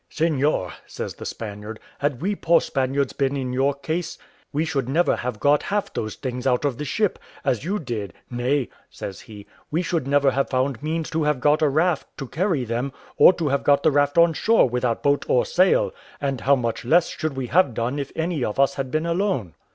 "Seignior," says the Spaniard, "had we poor Spaniards been in your case, we should never have got half those things out of the ship, as you did: nay," says he, "we should never have found means to have got a raft to carry them, or to have got the raft on shore without boat or sail: and how much less should we have done if any of us had been alone!"